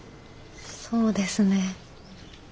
そうですね。